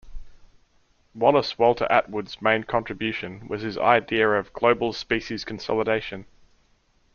Wallace Walter Atwood's main contribution was his idea of Global Species Consolidation.